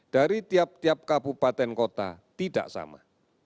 dari tiap tiap kabupaten kota tidak sama